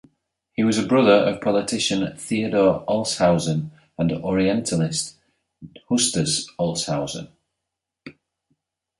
He was a brother of politician Theodor Olshausen and orientalist Justus Olshausen.